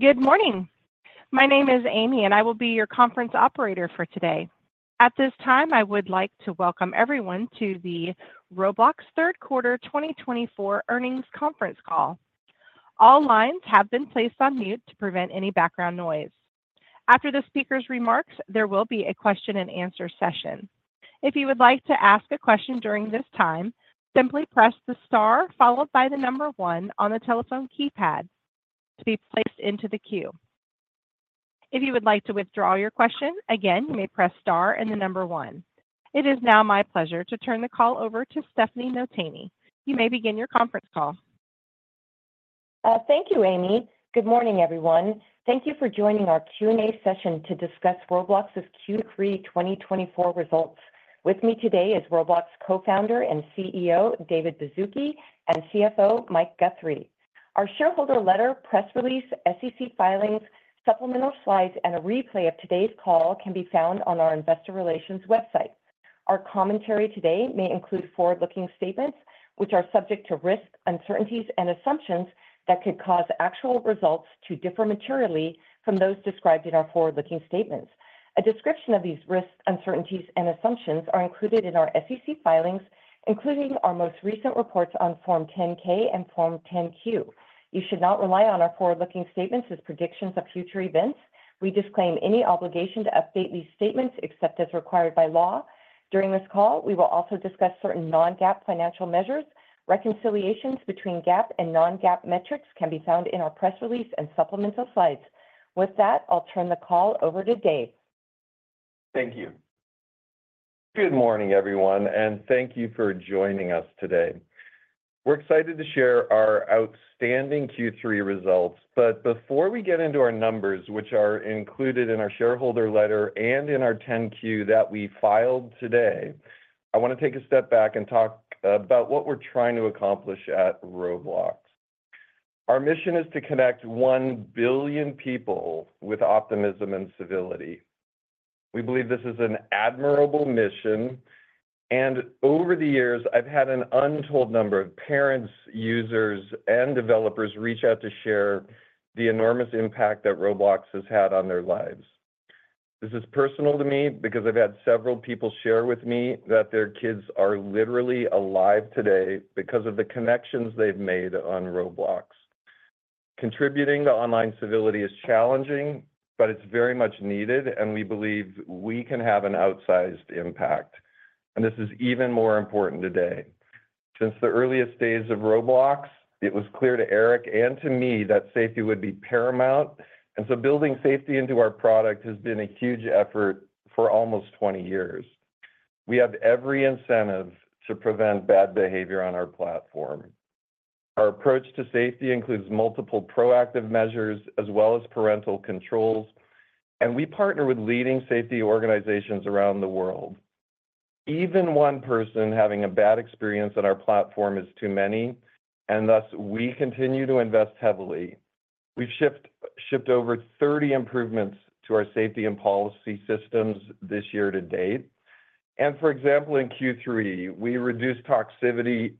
Good morning. My name is Amy, and I will be your conference operator for today. At this time, I would like to welcome everyone to the Roblox Q3 2024 earnings conference call. All lines have been placed on mute to prevent any background noise. After the speaker's remarks, there will be a question-and-answer session. If you would like to ask a question during this time, simply press the star followed by the number one on the telephone keypad to be placed into the queue. If you would like to withdraw your question, again, you may press star and the number one. It is now my pleasure to turn the call over to Stefanie Notaney. You may begin your conference call. Thank you, Amy. Good morning, everyone. Thank you for joining our Q&A session to discuss Roblox's Q3 2024 results. With me today is Roblox Co-founder and CEO David Baszucki and CFO Mike Guthrie. Our shareholder letter, press release, SEC filings, supplemental slides, and a replay of today's call can be found on our investor relations website. Our commentary today may include forward-looking statements, which are subject to risks, uncertainties, and assumptions that could cause actual results to differ materially from those described in our forward-looking statements. A description of these risks, uncertainties, and assumptions is included in our SEC filings, including our most recent reports on Form 10-K and Form 10-Q. You should not rely on our forward-looking statements as predictions of future events. We disclaim any obligation to update these statements except as required by law. During this call, we will also discuss certain non-GAAP financial measures. Reconciliations between GAAP and non-GAAP metrics can be found in our press release and supplemental slides. With that, I'll turn the call over to Dave. Thank you. Good morning, everyone, and thank you for joining us today. We're excited to share our outstanding Q3 results. But before we get into our numbers, which are included in our shareholder letter and in our 10-Q that we filed today, I want to take a step back and talk about what we're trying to accomplish at Roblox. Our mission is to connect one billion people with optimism and civility. We believe this is an admirable mission. And over the years, I've had an untold number of parents, users, and developers reach out to share the enormous impact that Roblox has had on their lives. This is personal to me because I've had several people share with me that their kids are literally alive today because of the connections they've made on Roblox. Contributing to online civility is challenging, but it's very much needed, and we believe we can have an outsized impact. And this is even more important today. Since the earliest days of Roblox, it was clear to Eric and to me that safety would be paramount. And so building safety into our product has been a huge effort for almost 20 years. We have every incentive to prevent bad behavior on our platform. Our approach to safety includes multiple proactive measures as well as parental controls. And we partner with leading safety organizations around the world. Even one person having a bad experience on our platform is too many, and thus we continue to invest heavily. We've shipped over 30 improvements to our safety and policy systems this year to date. And for example, in Q3, we reduced toxicity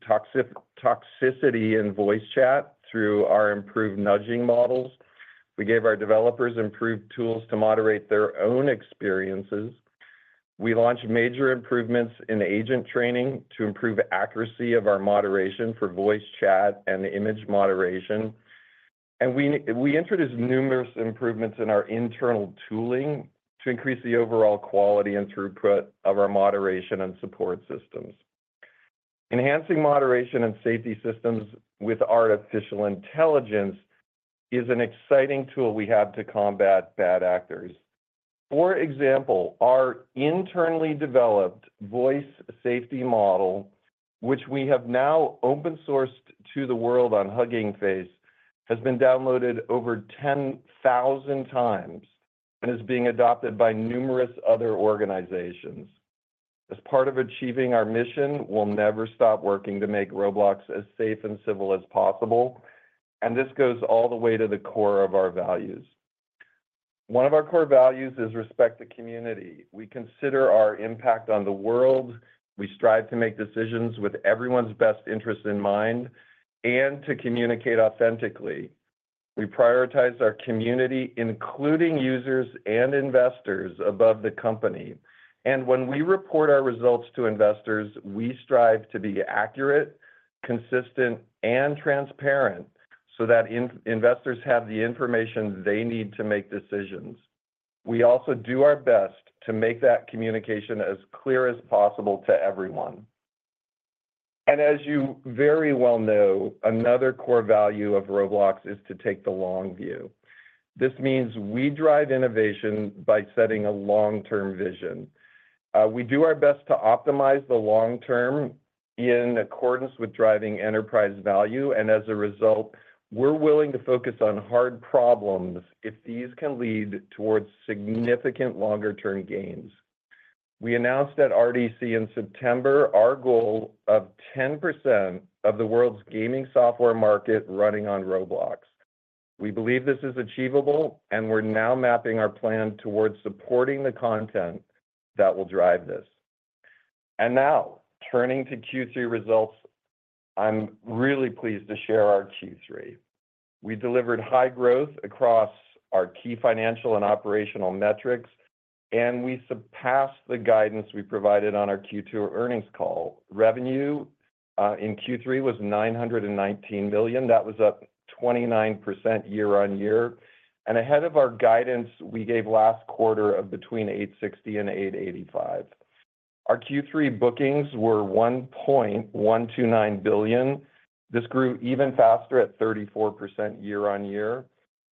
in voice chat through our improved nudging models. We gave our developers improved tools to moderate their own experiences. We launched major improvements in agent training to improve the accuracy of our moderation for voice chat and image moderation. And we introduced numerous improvements in our internal tooling to increase the overall quality and throughput of our moderation and support systems. Enhancing moderation and safety systems with artificial intelligence is an exciting tool we have to combat bad actors. For example, our internally developed voice safety model, which we have now open-sourced to the world on Hugging Face, has been downloaded over 10,000x and is being adopted by numerous other organizations. As part of achieving our mission, we'll never stop working to make Roblox as safe and civil as possible. And this goes all the way to the core of our values. One of our core values is Respect the Community. We consider our impact on the world. We strive to make decisions with everyone's best interests in mind and to communicate authentically. We prioritize our community, including users and investors, above the company. And when we report our results to investors, we strive to be accurate, consistent, and transparent so that investors have the information they need to make decisions. We also do our best to make that communication as clear as possible to everyone. And as you very well know, another core value of Roblox is to take the long view. This means we drive innovation by setting a long-term vision. We do our best to optimize the long term in accordance with driving enterprise value. And as a result, we're willing to focus on hard problems if these can lead towards significant longer-term gains. We announced at RDC in September our goal of 10% of the world's gaming software market running on Roblox. We believe this is achievable, and we're now mapping our plan towards supporting the content that will drive this. Now, turning to Q3 results, I'm really pleased to share our Q3. We delivered high growth across our key financial and operational metrics, and we surpassed the guidance we provided on our Q2 earnings call. Revenue in Q3 was $919 million. That was up 29% year-on-year. And ahead of our guidance, we gave last quarter of between $860 million-$885 million. Our Q3 bookings were $1.129 billion. This grew even faster at 34% year-on-year.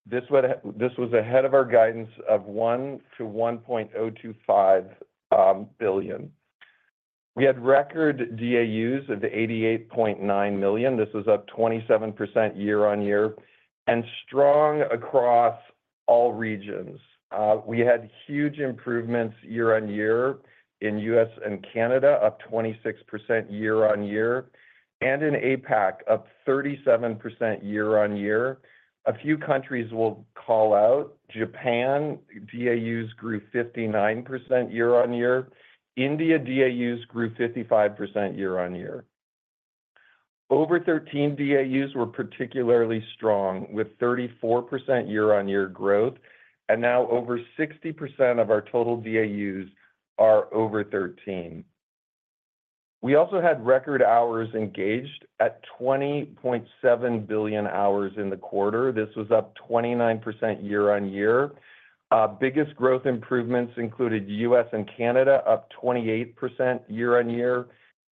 This was ahead of our guidance of $1 billion-$1.025 billion. We had record DAUs of 88.9 million. This was up 27% year-on-year and strong across all regions. We had huge improvements year-on-year in the U.S. and Canada, up 26% year-on-year, and in APAC, up 37% year-on-year. A few countries will call out. Japan, DAUs grew 59% year-on-year. India, DAUs grew 55% year-on-year. Over 13 DAUs were particularly strong, with 34% year-on-year growth. And now over 60% of our total DAUs are over 13. We also had record hours engaged at 20.7 billion hours in the quarter. This was up 29% year-on-year. Biggest growth improvements included the U.S. and Canada, up 28% year-on-year.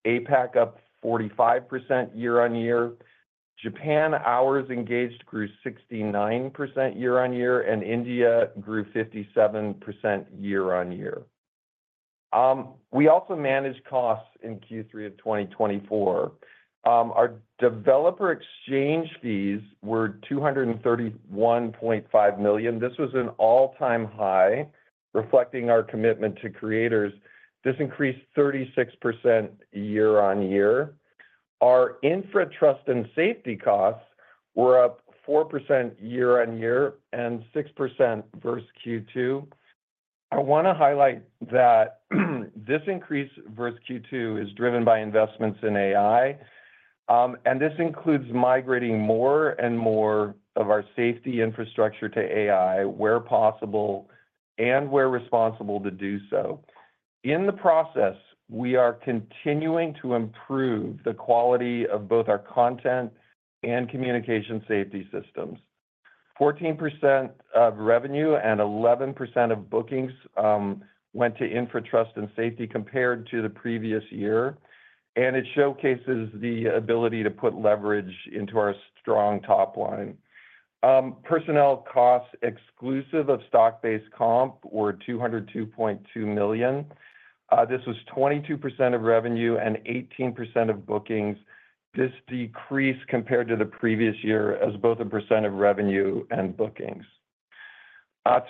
APAC, up 45% year-on-year. Japan hours engaged grew 69% year-on-year, and India grew 57% year-on-year. We also managed costs in Q3 of 2024. Our Developer Exchange fees were $231.5 million. This was an all-time high, reflecting our commitment to creators. This increased 36% year-on-year. Our infrastructure and safety costs were up 4% year-on-year and 6% versus Q2. I want to highlight that this increase versus Q2 is driven by investments in AI. And this includes migrating more and more of our safety infrastructure to AI where possible and where responsible to do so. In the process, we are continuing to improve the quality of both our content and communication safety systems. 14% of revenue and 11% of bookings went to infrastructure and safety compared to the previous year. And it showcases the ability to put leverage into our strong top line. Personnel costs exclusive of stock-based comp were $202.2 million. This was 22% of revenue and 18% of bookings. This decreased compared to the previous year as both a percent of revenue and bookings.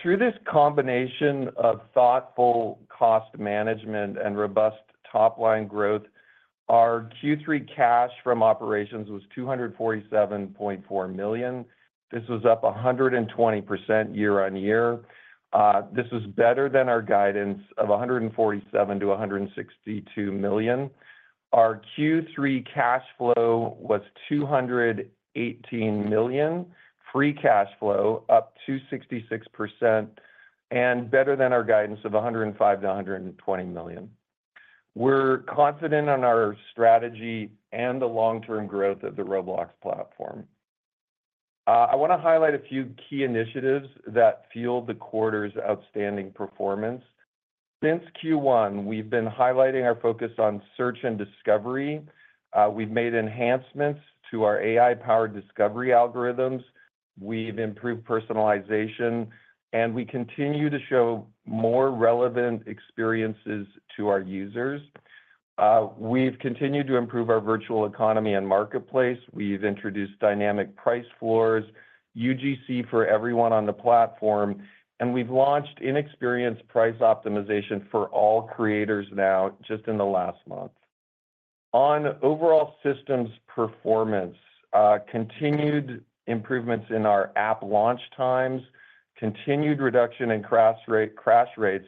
Through this combination of thoughtful cost management and robust top-line growth, our Q3 cash from operations was $247.4 million. This was up 120% year-on-year. This was better than our guidance of $147 million-$162 million. Our Q3 cash flow was $218 million, free cash flow up 266%, and better than our guidance of $105 million-$120 million. We're confident in our strategy and the long-term growth of the Roblox platform. I want to highlight a few key initiatives that fuel the quarter's outstanding performance. Since Q1, we've been highlighting our focus on search and discovery. We've made enhancements to our AI-powered discovery algorithms. We've improved personalization, and we continue to show more relevant experiences to our users. We've continued to improve our virtual economy and marketplace. We've introduced dynamic price floors, UGC for everyone on the platform, and we've launched in-experience price optimization for all creators now just in the last month. On overall systems performance, continued improvements in our app launch times, continued reduction in crash rates,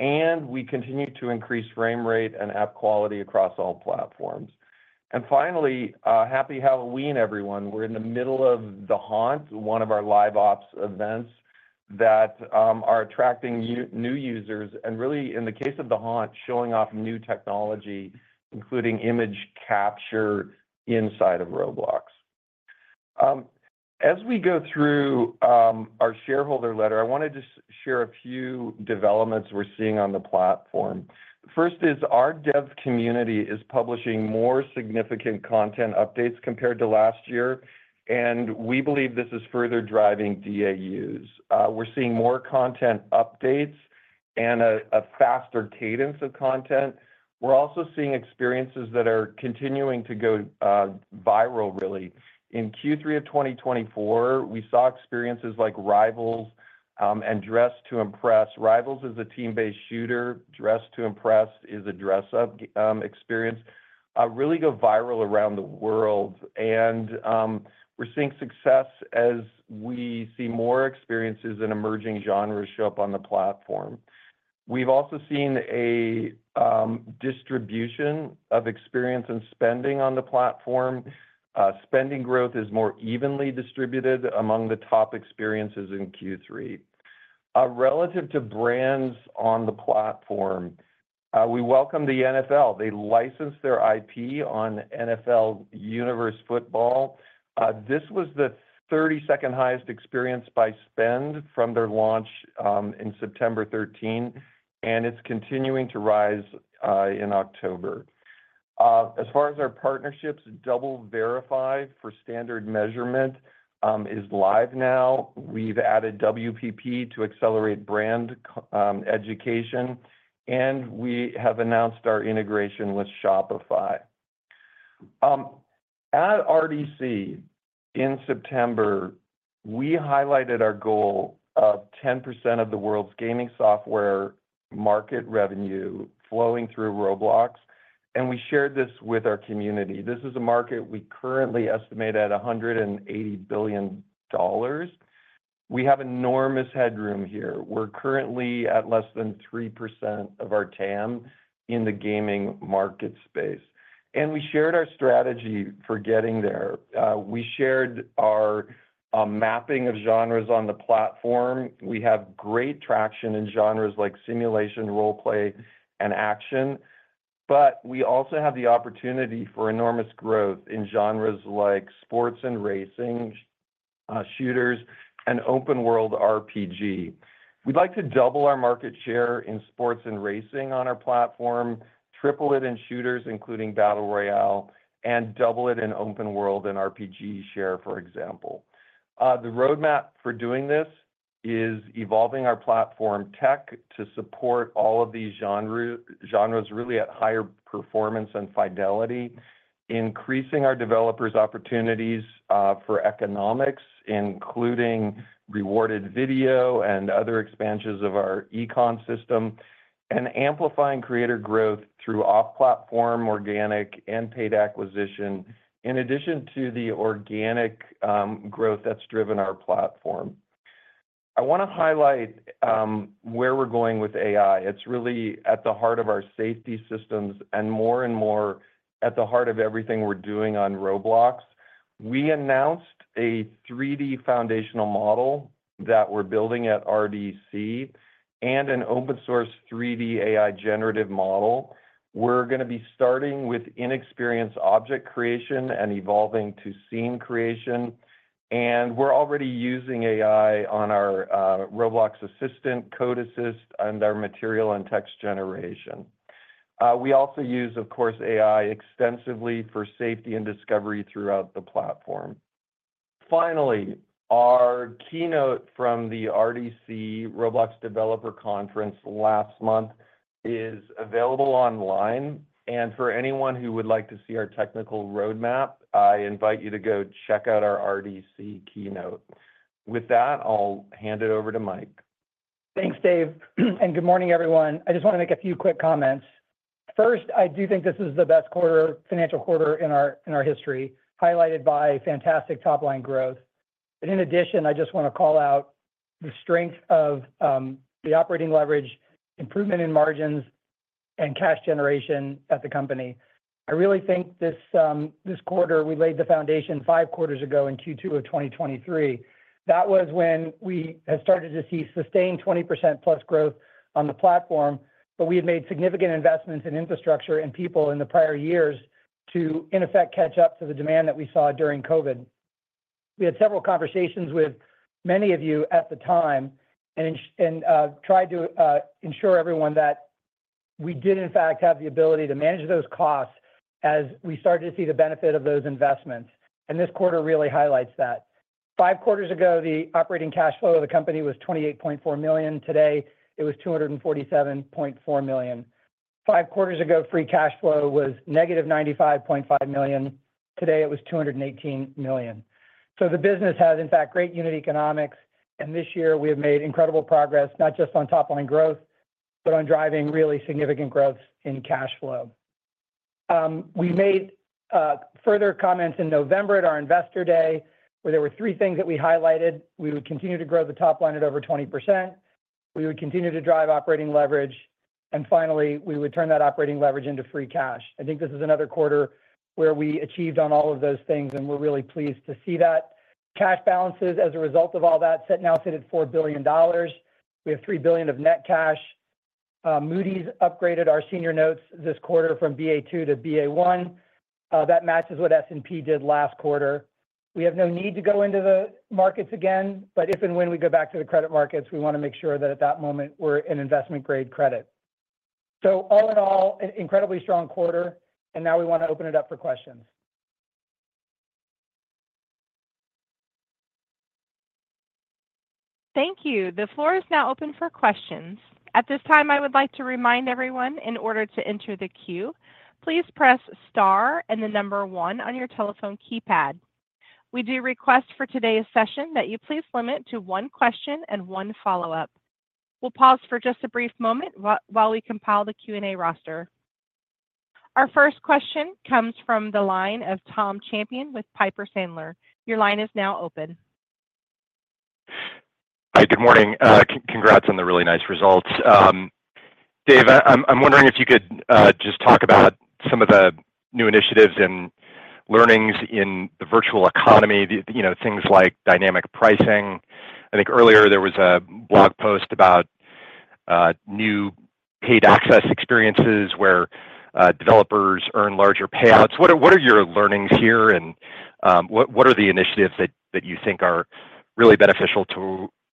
and we continue to increase frame rate and app quality across all platforms. And finally, happy Halloween, everyone. We're in the middle of The Haunt, one of our live ops events that are attracting new users and really, in the case of The Haunt, showing off new technology, including image capture inside of Roblox. As we go through our shareholder letter, I wanted to share a few developments we're seeing on the platform. First is our dev community is publishing more significant content updates compared to last year. And we believe this is further driving DAUs. We're seeing more content updates and a faster cadence of content. We're also seeing experiences that are continuing to go viral, really. In Q3 of 2024, we saw experiences like Rivals and Dress To Impress. Rivals is a team-based shooter. Dress To Impress is a dress-up experience that really goes viral around the world, and we're seeing success as we see more experiences and emerging genres show up on the platform. We've also seen a distribution of experience and spending on the platform. Spending growth is more evenly distributed among the top experiences in Q3. Relative to brands on the platform, we welcome the NFL. They licensed their IP on NFL Universe Football. This was the 32nd highest experience by spend from their launch in 13 September 2024, and it's continuing to rise in October. As far as our partnerships, DoubleVerify for standard measurement is live now. We've added WPP to accelerate brand education, and we have announced our integration with Shopify. At RDC in September, we highlighted our goal of 10% of the world's gaming software market revenue flowing through Roblox. And we shared this with our community. This is a market we currently estimate at $180 billion. We have enormous headroom here. We're currently at less than 3% of our TAM in the gaming market space. And we shared our strategy for getting there. We shared our mapping of genres on the platform. We have great traction in genres like simulation, role-play, and action. But we also have the opportunity for enormous growth in genres like sports and racing, shooters, and open-world RPG. We'd like to double our market share in sports and racing on our platform, triple it in shooters, including Battle Royale, and double it in open-world and RPG share, for example. The roadmap for doing this is evolving our platform tech to support all of these genres really at higher performance and fidelity, increasing our developers' opportunities for economics, including rewarded video and other expansions of our e-comm system, and amplifying creator growth through off-platform organic and paid acquisition, in addition to the organic growth that's driven our platform. I want to highlight where we're going with AI. It's really at the heart of our safety systems and more and more at the heart of everything we're doing on Roblox. We announced a 3D foundation model that we're building at RDC and an open-source 3D AI generative model. We're going to be starting with in-experience object creation and evolving to scene creation, and we're already using AI on our Roblox Assistant, Code Assist, and our material and text generation. We also use, of course, AI extensively for safety and discovery throughout the platform. Finally, our keynote from the RDC Roblox Developers Conference last month is available online, and for anyone who would like to see our technical roadmap, I invite you to go check out our RDC keynote. With that, I'll hand it over to Mike. Thanks, Dave, and good morning, everyone. I just want to make a few quick comments. First, I do think this is the best quarter, financial quarter in our history, highlighted by fantastic top-line growth, but in addition, I just want to call out the strength of the operating leverage, improvement in margins, and cash generation at the company. I really think this quarter, we laid the foundation five quarters ago in Q2 of 2023. That was when we had started to see sustained 20%+ growth on the platform. But we had made significant investments in infrastructure and people in the prior years to, in effect, catch up to the demand that we saw during COVID. We had several conversations with many of you at the time and tried to ensure everyone that we did, in fact, have the ability to manage those costs as we started to see the benefit of those investments. And this quarter really highlights that. Five quarters ago, the operating cash flow of the company was $28.4 million. Today, it was $247.4 million. Five quarters ago, free cash flow was negative $95.5 million. Today, it was $218 million. So the business has, in fact, great unit economics. And this year, we have made incredible progress, not just on top-line growth, but on driving really significant growth in cash flow. We made further comments in November at our Investor Day, where there were three things that we highlighted. We would continue to grow the top line at over 20%. We would continue to drive operating leverage. And finally, we would turn that operating leverage into free cash. I think this is another quarter where we achieved on all of those things, and we're really pleased to see that. Cash balances as a result of all that now sit at $4 billion. We have $3 billion of net cash. Moody's upgraded our senior notes this quarter from Ba2 to Ba1. That matches what S&P did last quarter. We have no need to go into the markets again. But if and when we go back to the credit markets, we want to make sure that at that moment, we're in investment-grade credit. So all in all, an incredibly strong quarter. And now we want to open it up for questions. Thank you. The floor is now open for questions. At this time, I would like to remind everyone, in order to enter the queue, please press star and the number one on your telephone keypad. We do request for today's session that you please limit to one question and one follow-up. We'll pause for just a brief moment while we compile the Q&A roster. Our first question comes from the line of Tom Champion with Piper Sandler. Your line is now open. Hi, good morning. Congrats on the really nice results. Dave, I'm wondering if you could just talk about some of the new initiatives and learnings in the virtual economy, things like dynamic pricing. I think earlier, there was a blog post about new paid access experiences where developers earn larger payouts. What are your learnings here, and what are the initiatives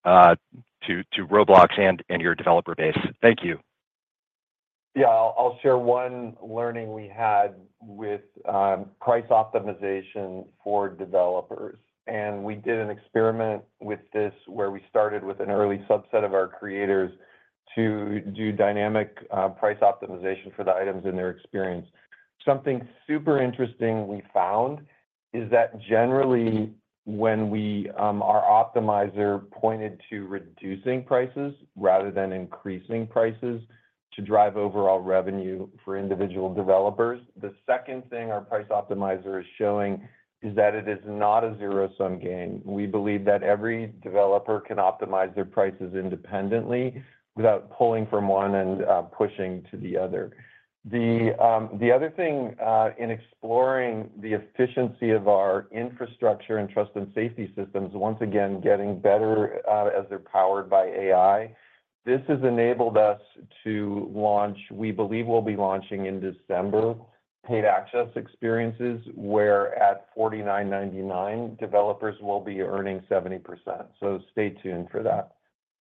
that you think are really beneficial to Roblox and your developer base? Thank you. Yeah, I'll share one learning we had with price optimization for developers, and we did an experiment with this where we started with an early subset of our creators to do dynamic price optimization for the items in their experience. Something super interesting we found is that generally, when our optimizer pointed to reducing prices rather than increasing prices to drive overall revenue for individual developers, the second thing our price optimizer is showing is that it is not a zero-sum game. We believe that every developer can optimize their prices independently without pulling from one and pushing to the other. The other thing in exploring the efficiency of our infrastructure and trust and safety systems, once again, getting better as they're powered by AI, this has enabled us to launch (we believe we'll be launching in December) paid access experiences where at $49.99, developers will be earning 70%. So stay tuned for that.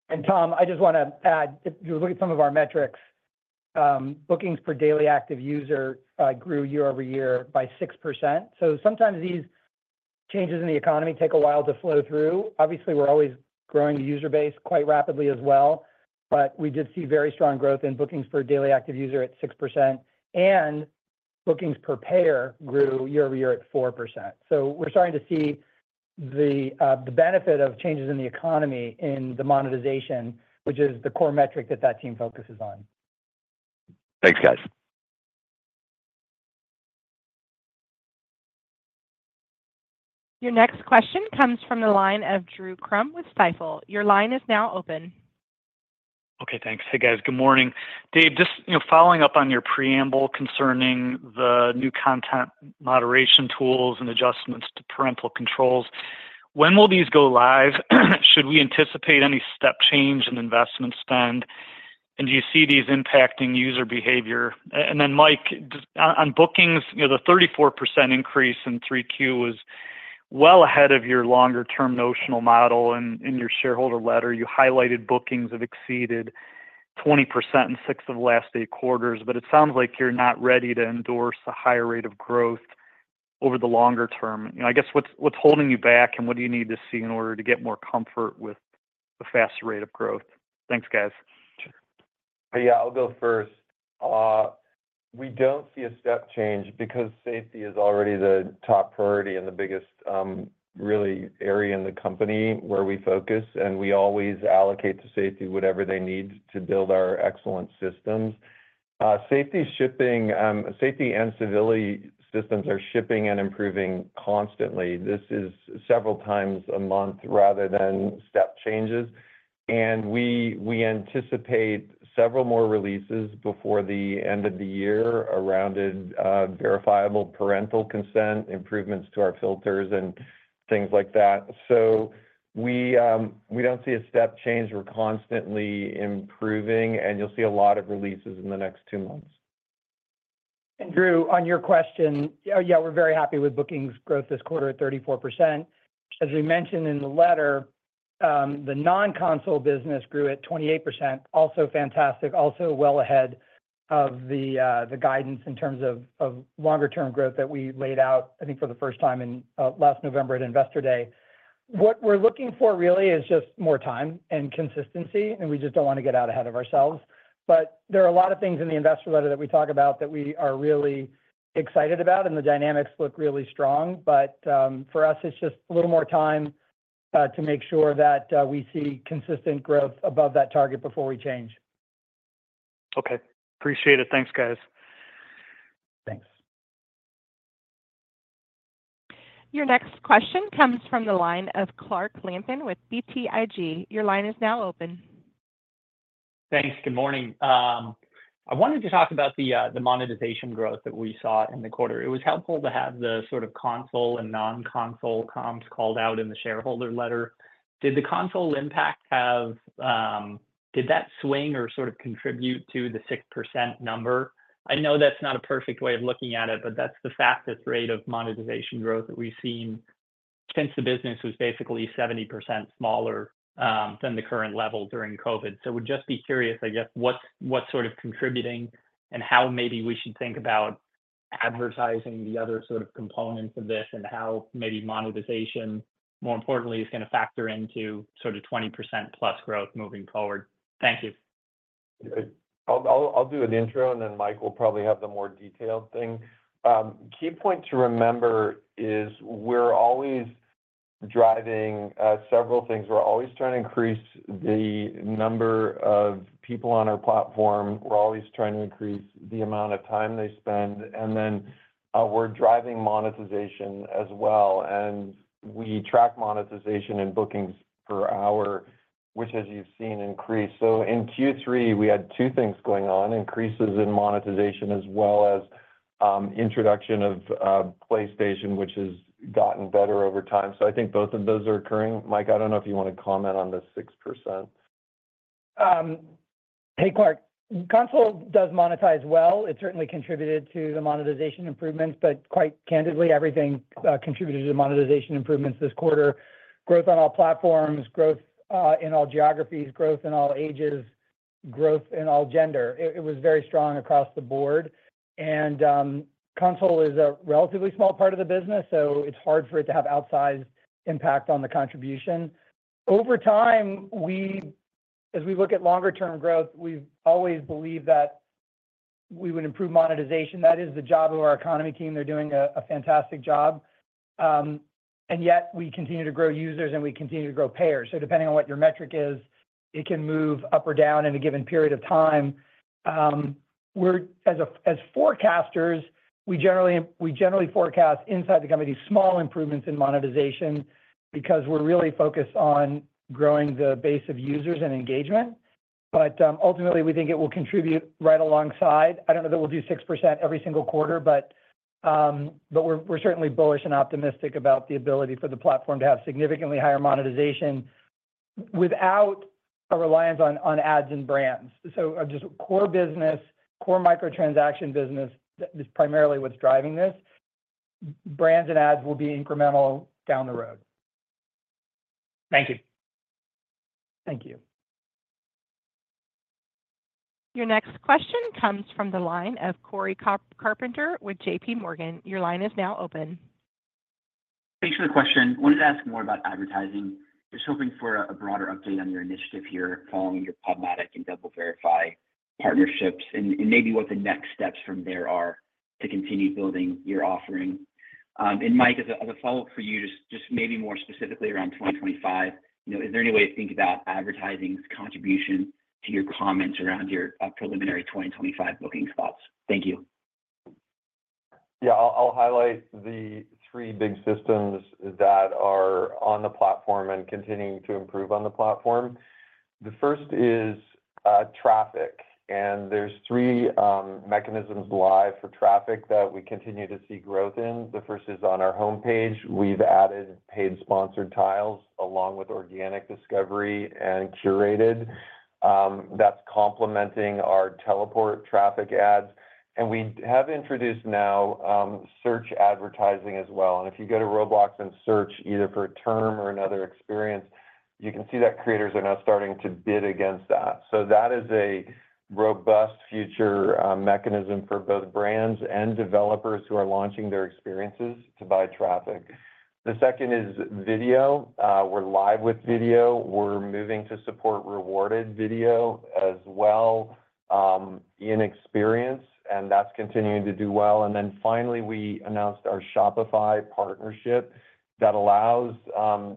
And Tom, I just want to add, if you look at some of our metrics, bookings per daily active user grew year-over-year by 6%. So sometimes these changes in the economy take a while to flow through. Obviously, we're always growing the user base quite rapidly as well. But we did see very strong growth in bookings per daily active user at 6%. And bookings per payer grew year-over-year at 4%. So we're starting to see the benefit of changes in the economy in the monetization, which is the core metric that that team focuses on. Thanks, guys. Your next question comes from the line of Drew Crum with Stifel. Your line is now open. Okay, thanks. Hey, guys, good morning. Dave, just following up on your preamble concerning the new content moderation tools and adjustments to parental controls. When will these go live? Should we anticipate any step change in investment spend? And do you see these impacting user behavior? And then Mike, on bookings, the 34% increase in 3Q was well ahead of your longer-term notional model in your shareholder letter. You highlighted bookings have exceeded 20% in six of the last eight quarters. But it sounds like you're not ready to endorse a higher rate of growth over the longer term. I guess what's holding you back, and what do you need to see in order to get more comfort with a faster rate of growth? Thanks, guys. Yeah, I'll go first. We don't see a step change because safety is already the top priority and the biggest really area in the company where we focus. And we always allocate to safety whatever they need to build our excellent systems. Safety and civility systems are shipping and improving constantly. This is several times a month rather than step changes. And we anticipate several more releases before the end of the year around verifiable parental consent, improvements to our filters, and things like that. So we don't see a step change. We're constantly improving. And you'll see a lot of releases in the next two months. And Drew, on your question, yeah, we're very happy with bookings growth this quarter at 34%. As we mentioned in the letter, the non-console business grew at 28%. Also fantastic, also well ahead of the guidance in terms of longer-term growth that we laid out, I think, for the first time last November at Investor Day. What we're looking for really is just more time and consistency. We just don't want to get out ahead of ourselves. There are a lot of things in the investor letter that we talk about that we are really excited about. The dynamics look really strong. For us, it's just a little more time to make sure that we see consistent growth above that target before we change. Okay. Appreciate it. Thanks, guys. Thanks. Your next question comes from the line of Clark Lampen with BTIG. Your line is now open. Thanks. Good morning. I wanted to talk about the monetization growth that we saw in the quarter. It was helpful to have the sort of console and non-console comms called out in the shareholder letter. Did the console impact have, did that swing or sort of contribute to the 6% number? I know that's not a perfect way of looking at it, but that's the fastest rate of monetization growth that we've seen since the business was basically 70% smaller than the current level during COVID. So I would just be curious, I guess, what's sort of contributing and how maybe we should think about advertising the other sort of components of this and how maybe monetization, more importantly, is going to factor into sort of 20%+ growth moving forward. Thank you. I'll do an intro, and then Mike will probably have the more detailed thing. Key point to remember is we're always driving several things. We're always trying to increase the number of people on our platform. We're always trying to increase the amount of time they spend. And then we're driving monetization as well. And we track monetization and bookings per hour, which, as you've seen, increased. So in Q3, we had two things going on: increases in monetization as well as introduction of PlayStation, which has gotten better over time. So I think both of those are occurring. Mike, I don't know if you want to comment on the 6%. Hey, Clark. Console does monetize well. It certainly contributed to the monetization improvements. But quite candidly, everything contributed to the monetization improvements this quarter: growth on all platforms, growth in all geographies, growth in all ages, growth in all gender. It was very strong across the board. Console is a relatively small part of the business, so it's hard for it to have outsized impact on the contribution. Over time, as we look at longer-term growth, we've always believed that we would improve monetization. That is the job of our economy team. They're doing a fantastic job. And yet, we continue to grow users, and we continue to grow payers. So depending on what your metric is, it can move up or down in a given period of time. As forecasters, we generally forecast inside the company small improvements in monetization because we're really focused on growing the base of users and engagement. But ultimately, we think it will contribute right alongside. I don't know that we'll do 6% every single quarter, but we're certainly bullish and optimistic about the ability for the platform to have significantly higher monetization without a reliance on ads and brands. So just core business, core microtransaction business is primarily what's driving this. Brands and ads will be incremental down the road. Thank you. Thank you. Your next question comes from the line of Cory Carpenter with J.P. Morgan. Your line is now open. Thanks for the question. I wanted to ask more about advertising. Just hoping for a broader update on your initiative here following your PubMatic and DoubleVerify partnerships and maybe what the next steps from there are to continue building your offering. And Mike, as a follow-up for you, just maybe more specifically around 2025, is there any way to think about advertising's contribution to your comments around your preliminary 2025 booking thoughts? Thank you. Yeah, I'll highlight the three big systems that are on the platform and continuing to improve on the platform. The first is traffic. And there's three mechanisms live for traffic that we continue to see growth in. The first is on our homepage. We've added paid-sponsored tiles along with organic discovery and curated. That's complementing our teleport traffic ads. And we have introduced now search advertising as well. And if you go to Roblox and search either for a term or another experience, you can see that creators are now starting to bid against that. So that is a robust future mechanism for both brands and developers who are launching their experiences to buy traffic. The second is video. We're live with video. We're moving to support rewarded video as well in experience. And that's continuing to do well. And then finally, we announced our Shopify partnership that allows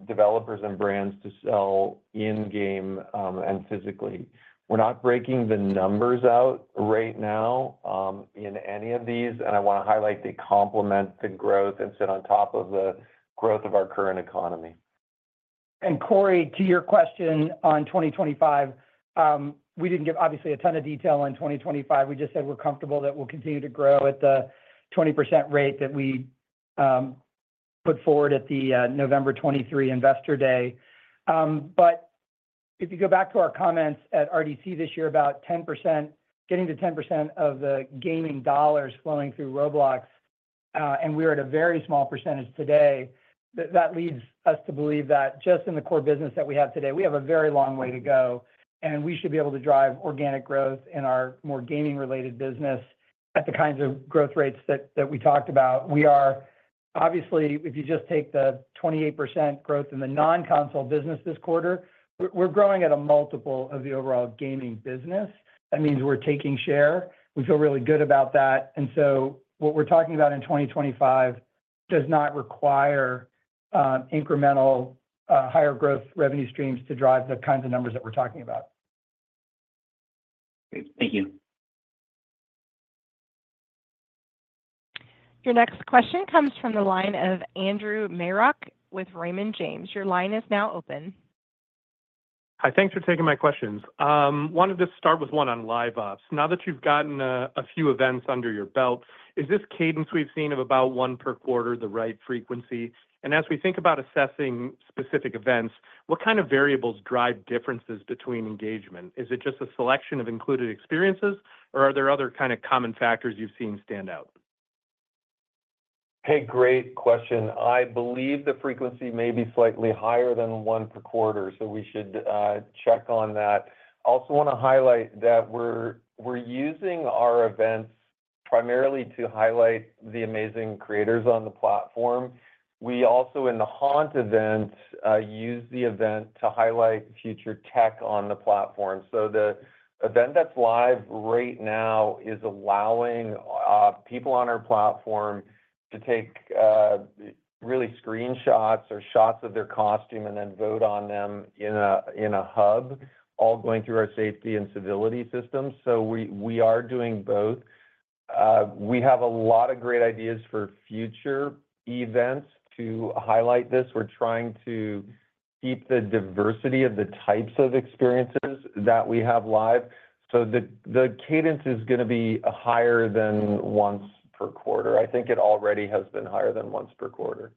developers and brands to sell in-game and physically. We're not breaking the numbers out right now in any of these. I want to highlight they complement the growth and sit on top of the growth of our current economy. Cory, to your question on 2025, we didn't give obviously a ton of detail on 2025. We just said we're comfortable that we'll continue to grow at the 20% rate that we put forward at the November 2023 Investor Day. If you go back to our comments at RDC this year, about 10%, getting to 10% of the gaming dollars flowing through Roblox, and we're at a very small percentage today, that leads us to believe that just in the core business that we have today, we have a very long way to go. We should be able to drive organic growth in our more gaming-related business at the kinds of growth rates that we talked about. We are, obviously, if you just take the 28% growth in the non-console business this quarter, we're growing at a multiple of the overall gaming business. That means we're taking share. We feel really good about that. And so what we're talking about in 2025 does not require incremental higher growth revenue streams to drive the kinds of numbers that we're talking about. Great. Thank you. Your next question comes from the line of Andrew Marok with Raymond James. Your line is now open. Hi, thanks for taking my questions. Wanted to start with one on live ops. Now that you've gotten a few events under your belt, is this cadence we've seen of about one per quarter the right frequency? And as we think about assessing specific events, what kind of variables drive differences between engagement? Is it just a selection of included experiences, or are there other kind of common factors you've seen stand out? Hey, great question. I believe the frequency may be slightly higher than one per quarter, so we should check on that. I also want to highlight that we're using our events primarily to highlight the amazing creators on the platform. We also, in The Haunt event, use the event to highlight future tech on the platform. So the event that's live right now is allowing people on our platform to take real screenshots or shots of their costume and then vote on them in a hub, all going through our safety and civility systems. So we are doing both. We have a lot of great ideas for future events to highlight this. We're trying to keep the diversity of the types of experiences that we have live. So the cadence is going to be higher than once per quarter. I think it already has been higher than once per quarter.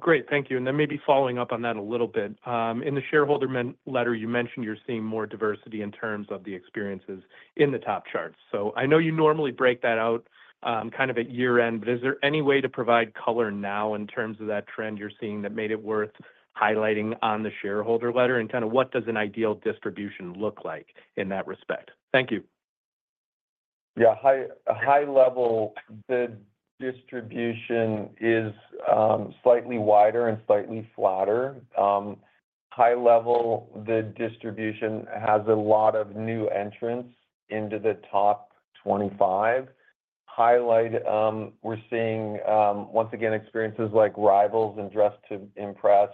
Great. Thank you. And then maybe following up on that a little bit. In the shareholder letter, you mentioned you're seeing more diversity in terms of the experiences in the top charts. So I know you normally break that out kind of at year-end, but is there any way to provide color now in terms of that trend you're seeing that made it worth highlighting on the shareholder letter? And kind of what does an ideal distribution look like in that respect? Thank you. Yeah, high-level, the distribution is slightly wider and slightly flatter. High-level, the distribution has a lot of new entrants into the top 25. Highlight, we're seeing, once again, experiences like Rivals and Dress To Impress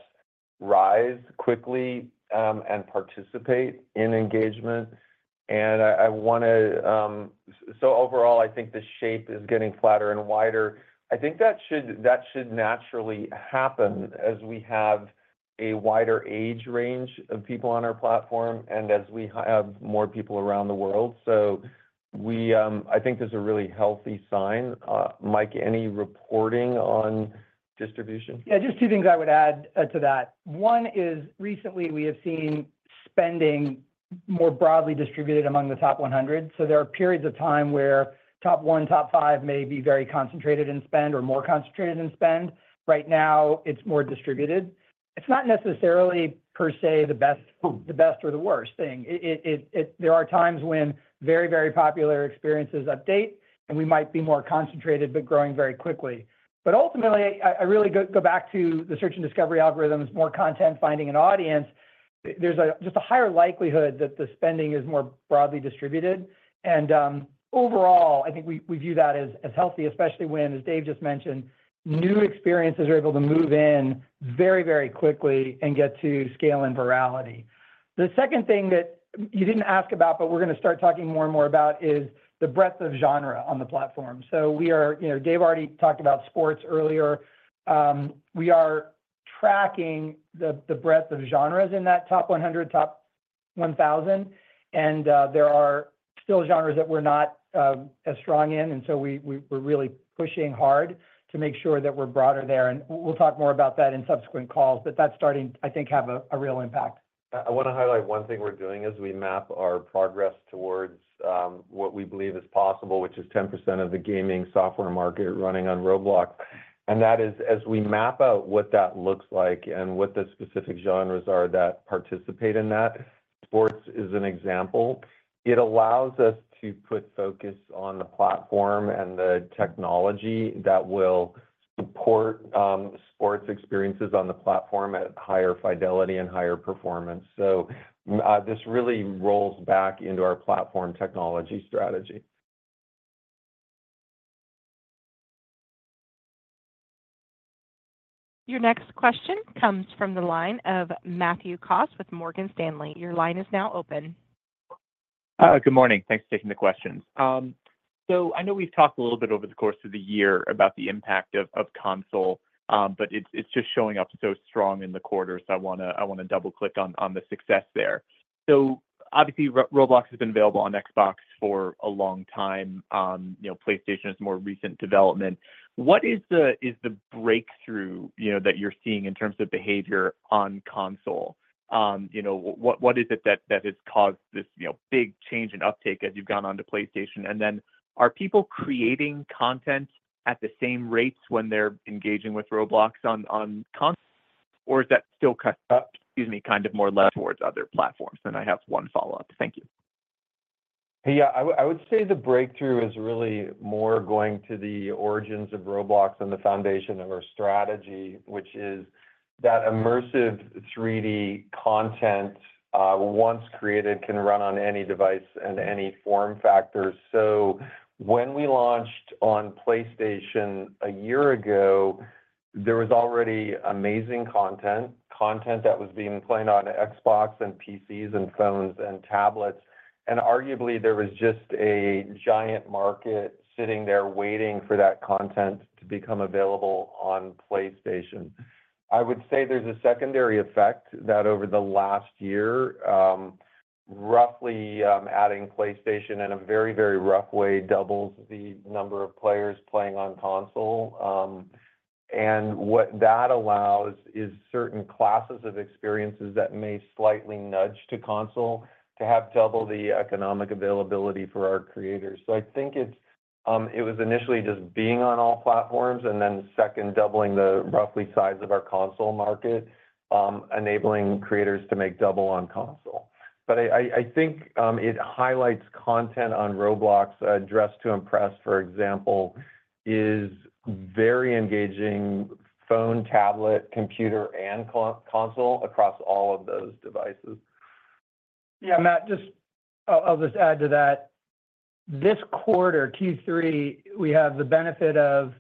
rise quickly and participate in engagement. So overall, I think the shape is getting flatter and wider. I think that should naturally happen as we have a wider age range of people on our platform and as we have more people around the world, so I think there's a really healthy sign. Mike, any reporting on distribution? Yeah, just two things I would add to that. One is recently we have seen spending more broadly distributed among the top 100, so there are periods of time where top one, top five may be very concentrated in spend or more concentrated in spend. Right now, it's more distributed. It's not necessarily, per se, the best or the worst thing. There are times when very, very popular experiences update, and we might be more concentrated but growing very quickly. But ultimately, I really go back to the search and discovery algorithms, more content finding an audience. There's just a higher likelihood that the spending is more broadly distributed. And overall, I think we view that as healthy, especially when, as Dave just mentioned, new experiences are able to move in very, very quickly and get to scale and virality. The second thing that you didn't ask about, but we're going to start talking more and more about, is the breadth of genre on the platform. So we are, Dave already talked about sports earlier. We are tracking the breadth of genres in that top 100, top 1,000. And there are still genres that we're not as strong in. And so we're really pushing hard to make sure that we're broader there. And we'll talk more about that in subsequent calls. But that's starting, I think, to have a real impact. I want to highlight one thing we're doing as we map our progress towards what we believe is possible, which is 10% of the gaming software market running on Roblox. And that is, as we map out what that looks like and what the specific genres are that participate in that, sports is an example. It allows us to put focus on the platform and the technology that will support sports experiences on the platform at higher fidelity and higher performance. So this really rolls back into our platform technology strategy. Your next question comes from the line of Matthew Cost with Morgan Stanley. Your line is now open. Good morning. Thanks for taking the questions. So I know we've talked a little bit over the course of the year about the impact of console, but it's just showing up so strong in the quarter. So I want to double-click on the success there. So obviously, Roblox has been available on Xbox for a long time. PlayStation is a more recent development. What is the breakthrough that you're seeing in terms of behavior on console? What is it that has caused this big change and uptake as you've gone on to PlayStation? And then are people creating content at the same rates when they're engaging with Roblox on console? Or is that still cut up, excuse me, kind of more left towards other platforms? And I have one follow-up. Thank you. Yeah, I would say the breakthrough is really more going to the origins of Roblox and the foundation of our strategy, which is that immersive 3D content, once created, can run on any device and any form factor. So when we launched on PlayStation a year ago, there was already amazing content, content that was being played on Xbox and PCs and phones and tablets. And arguably, there was just a giant market sitting there waiting for that content to become available on PlayStation. I would say there's a secondary effect that over the last year, roughly adding PlayStation in a very, very rough way doubles the number of players playing on console. And what that allows is certain classes of experiences that may slightly nudge to console to have double the economic availability for our creators. So I think it was initially just being on all platforms and then second doubling the roughly size of our console market, enabling creators to make double on console. But I think it highlights content on Roblox. Dress To Impress, for example, is very engaging phone, tablet, computer and console across all of those devices. Yeah, Matt, just I'll just add to that. This quarter, Q3, we have the benefit of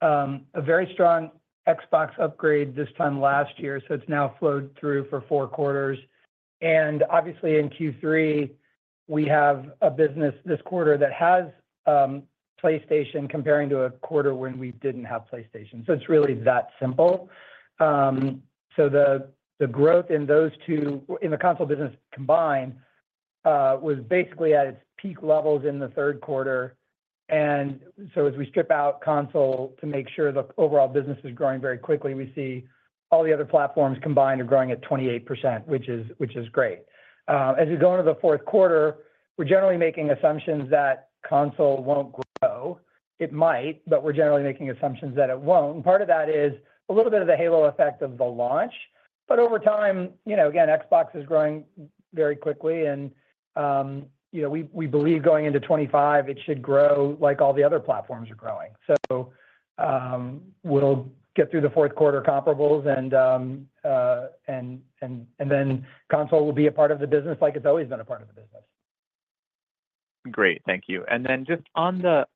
a very strong Xbox upgrade this time last year. So it's now flowed through for four quarters. And obviously, in Q3, we have a business this quarter that has PlayStation comparing to a quarter when we didn't have PlayStation. So it's really that simple. So the growth in those two, in the console business combined, was basically at its peak levels in the Q3. And so as we strip out console to make sure the overall business is growing very quickly, we see all the other platforms combined are growing at 28%, which is great. As we go into the Q4, we're generally making assumptions that console won't grow. It might, but we're generally making assumptions that it won't, and part of that is a little bit of the halo effect of the launch, but over time, again, Xbox is growing very quickly, and we believe going into 2025, it should grow like all the other platforms are growing, so we'll get through the Q4 comparables, and then console will be a part of the business like it's always been a part of the business. Great. Thank you, and then just on the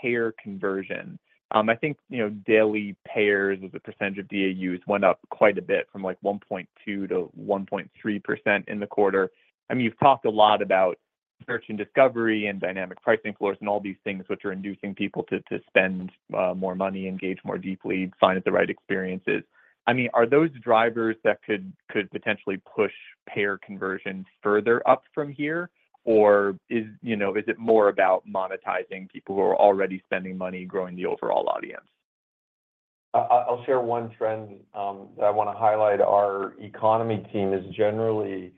payer conversion, I think daily payers as a percentage of DAUs went up quite a bit from like 1.2%-1.3% in the quarter. I mean, you've talked a lot about search and discovery and dynamic price floors and all these things which are inducing people to spend more money, engage more deeply, find the right experiences. I mean, are those drivers that could potentially push payer conversion further up from here? Or is it more about monetizing people who are already spending money growing the overall audience? I'll share one trend that I want to highlight. Our economy team is generally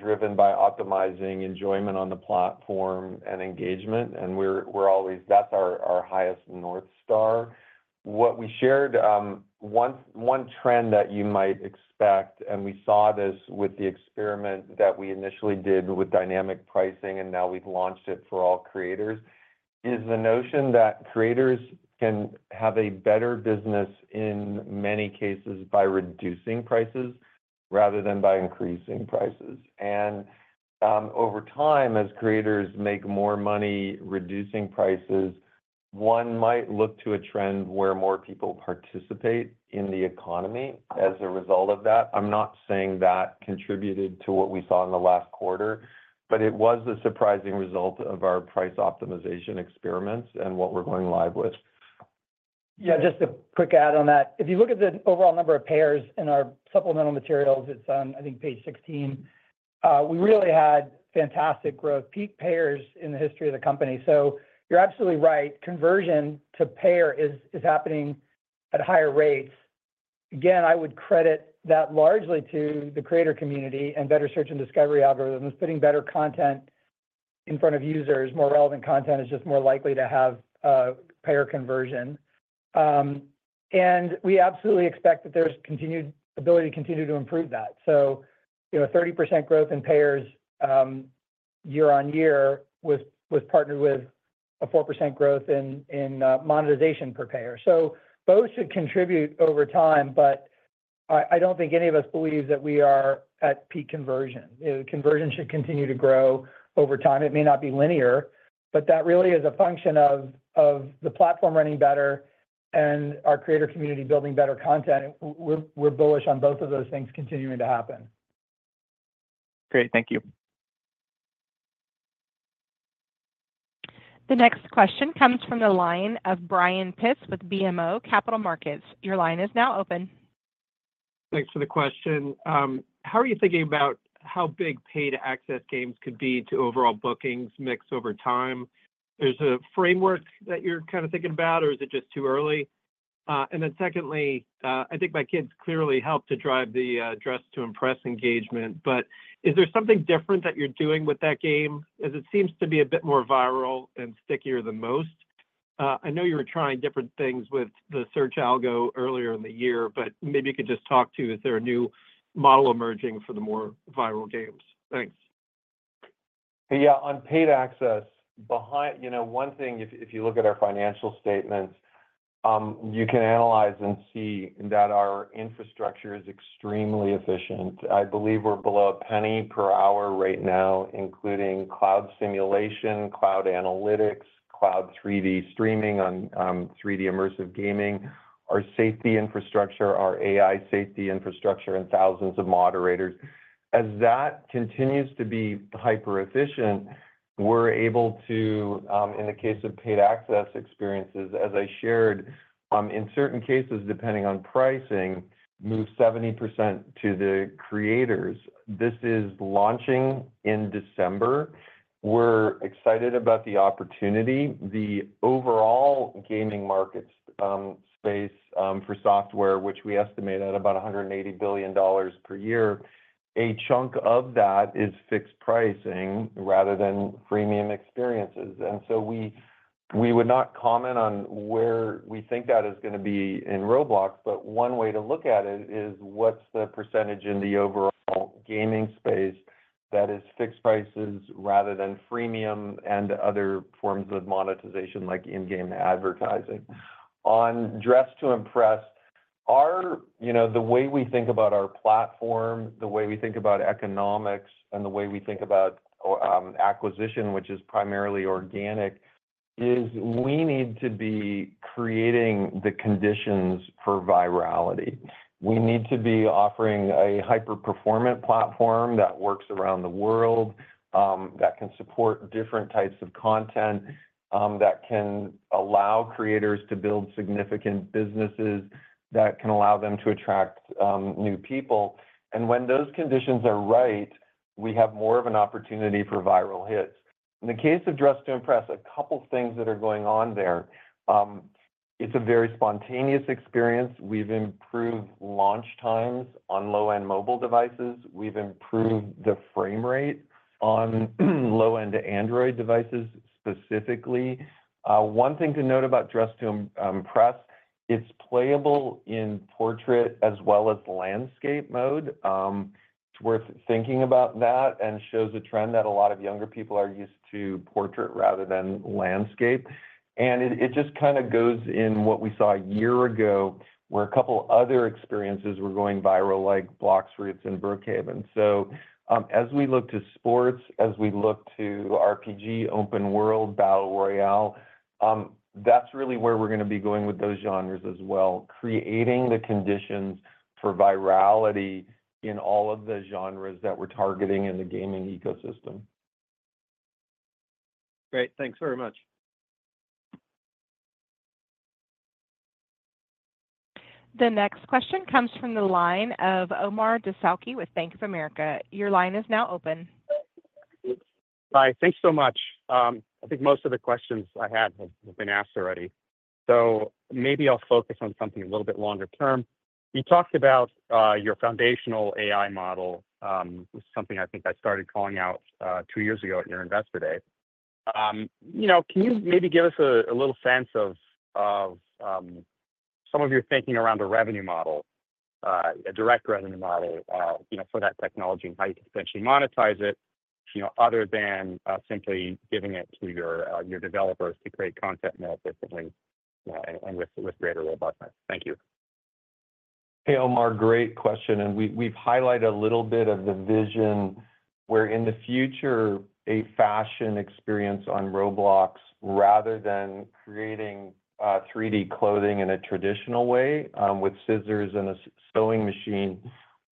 driven by optimizing enjoyment on the platform and engagement, and that's our highest North Star. What we shared, one trend that you might expect, and we saw this with the experiment that we initially did with dynamic pricing, and now we've launched it for all creators, is the notion that creators can have a better business in many cases by reducing prices rather than by increasing prices. And over time, as creators make more money reducing prices, one might look to a trend where more people participate in the economy as a result of that. I'm not saying that contributed to what we saw in the last quarter, but it was a surprising result of our price optimization experiments and what we're going live with. Yeah, just a quick add on that. If you look at the overall number of payers in our supplemental materials, it's on, I think, page 16. We really had fantastic growth, peak payers in the history of the company. So you're absolutely right. Conversion to payer is happening at higher rates. Again, I would credit that largely to the creator community and better search and discovery algorithms, putting better content in front of users. More relevant content is just more likely to have payer conversion. We absolutely expect that there's continued ability to continue to improve that. A 30% growth in payers year-on-year was partnered with a 4% growth in monetization per payer. Both should contribute over time, but I don't think any of us believe that we are at peak conversion. Conversion should continue to grow over time. It may not be linear, but that really is a function of the platform running better and our creator community building better content. We're bullish on both of those things continuing to happen. Great. Thank you. The next question comes from the line of Brian Pitz with BMO Capital Markets. Your line is now open. Thanks for the question. How are you thinking about how big paid access games could be to overall bookings mixed over time? Is the framework that you're kind of thinking about, or is it just too early? And then, secondly, I think my kids clearly helped to drive the Dress To Impress engagement. But is there something different that you're doing with that game as it seems to be a bit more viral and stickier than most? I know you were trying different things with the search algo earlier in the year, but maybe you could just talk to, is there a new model emerging for the more viral games Thanks. Yeah, on paid access, one thing, if you look at our financial statements, you can analyze and see that our infrastructure is extremely efficient. I believe we're below a penny per hour right now, including cloud simulation, cloud analytics, cloud 3D streaming on 3D immersive gaming, our safety infrastructure, our AI safety infrastructure, and thousands of moderators. As that continues to be hyper-efficient, we're able to, in the case of paid access experiences, as I shared, in certain cases, depending on pricing, move 70% to the creators. This is launching in December. We're excited about the opportunity. The overall gaming market space for software, which we estimate at about $180 billion per year, a chunk of that is fixed pricing rather than freemium experiences. And so we would not comment on where we think that is going to be in Roblox, but one way to look at it is what's the percentage in the overall gaming space that is fixed prices rather than freemium and other forms of monetization like in-game advertising. On Dress To Impress, the way we think about our platform, the way we think about economics, and the way we think about acquisition, which is primarily organic, is we need to be creating the conditions for virality. We need to be offering a hyper-performant platform that works around the world, that can support different types of content, that can allow creators to build significant businesses, that can allow them to attract new people. And when those conditions are right, we have more of an opportunity for viral hits. In the case of Dress To Impress, a couple of things that are going on there. It's a very spontaneous experience. We've improved launch times on low-end mobile devices. We've improved the frame rate on low-end Android devices specifically. One thing to note about Dress To Impress, it's playable in portrait as well as landscape mode. It's worth thinking about that and shows a trend that a lot of younger people are used to portrait rather than landscape. And it just kind of goes in what we saw a year ago where a couple of other experiences were going viral like Blox Fruits and Brookhaven. So as we look to sports, as we look to RPG, Open World, Battle Royale, that's really where we're going to be going with those genres as well, creating the conditions for virality in all of the genres that we're targeting in the gaming ecosystem. Great. Thanks very much. The next question comes from the line of Omar Dessouky with Bank of America. Your line is now open. Hi. Thanks so much. I think most of the questions I had have been asked already. So maybe I'll focus on something a little bit longer term. You talked about your foundational AI model, which is something I think I started calling out two years ago at your Investor Day. Can you maybe give us a little sense of some of your thinking around a revenue model, a direct revenue model for that technology and how you can potentially monetize it other than simply giving it to your developers to create content more efficiently and with greater robustness? Thank you. Hey, Omar, great question, and we've highlighted a little bit of the vision where in the future, a fashion experience on Roblox, rather than creating 3D clothing in a traditional way with scissors and a sewing machine,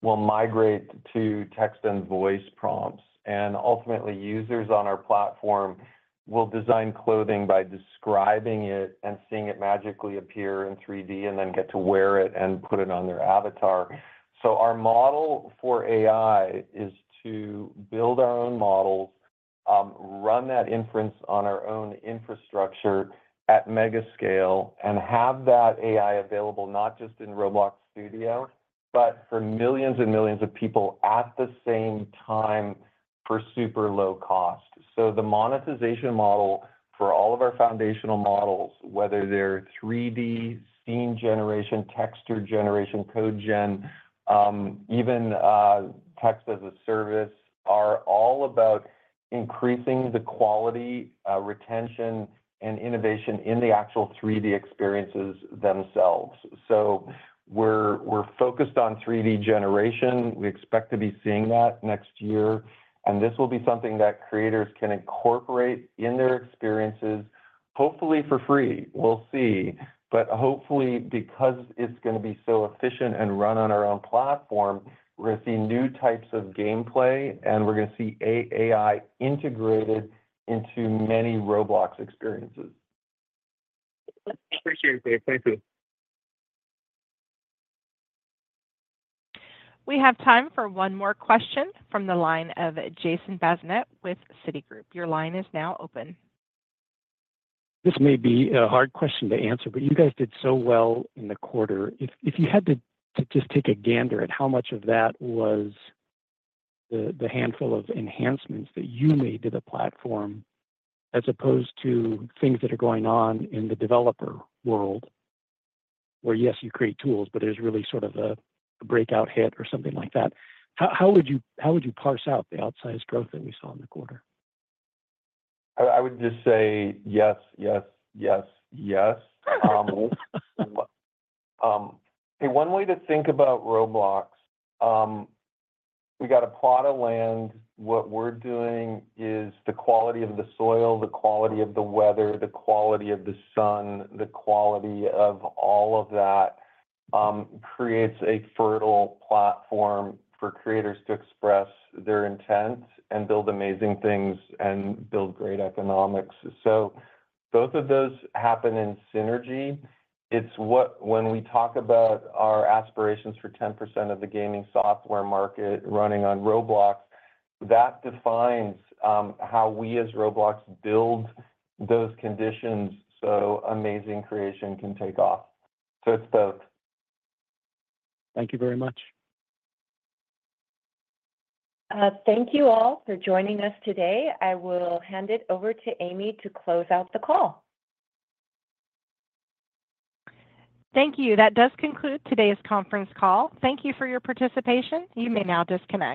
will migrate to text and voice prompts. And ultimately, users on our platform will design clothing by describing it and seeing it magically appear in 3D and then get to wear it and put it on their avatar. So our model for AI is to build our own models, run that inference on our own infrastructure at mega scale, and have that AI available not just in Roblox Studio, but for millions and millions of people at the same time for super low cost. So the monetization model for all of our foundational models, whether they're 3D scene generation, texture generation, code gen, even text as a service, are all about increasing the quality, retention, and innovation in the actual 3D experiences themselves. So we're focused on 3D generation. We expect to be seeing that next year. And this will be something that creators can incorporate in their experiences, hopefully for free. We'll see. But hopefully, because it's going to be so efficient and run on our own platform, we're going to see new types of gameplay, and we're going to see AI integrated into many Roblox experiences. Appreciate it. Thank you. We have time for one more question from the line of Jason Bazinet with Citigroup. Your line is now open. This may be a hard question to answer, but you guys did so well in the quarter. If you had to just take a gander at how much of that was the handful of enhancements that you made to the platform as opposed to things that are going on in the developer world, where yes, you create tools, but it is really sort of a breakout hit or something like that, how would you parse out the outsized growth that we saw in the quarter? I would just say yes, yes, yes, yes. Hey, one way to think about Roblox, we got a plot of land. What we're doing is the quality of the soil, the quality of the weather, the quality of the sun, the quality of all of that creates a fertile platform for creators to express their intent and build amazing things and build great economics. So both of those happen in synergy. It's when we talk about our aspirations for 10% of the gaming software market running on Roblox, that defines how we as Roblox build those conditions so amazing creation can take off. So it's both. Thank you very much. Thank you all for joining us today. I will hand it over to Amy to close out the call. Thank you. That does conclude today's conference call. Thank you for your participation. You may now disconnect.